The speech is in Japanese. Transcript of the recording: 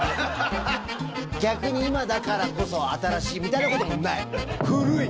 逆に今だからこそ新しいみたいなこともない。